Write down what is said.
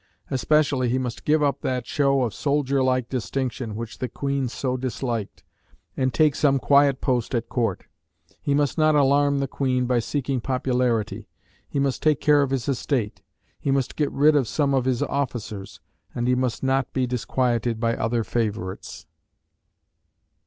Especially, he must give up that show of soldier like distinction, which the Queen so disliked, and take some quiet post at Court. He must not alarm the Queen by seeking popularity; he must take care of his estate; he must get rid of some of his officers; and he must not be disquieted by other favourites.